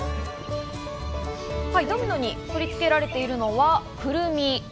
ドミノに取り付けられているのはクルミ。